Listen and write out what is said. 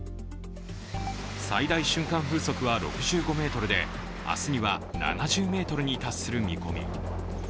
最大瞬間風速は６５メートルで明日には７０メートルに達する見込み。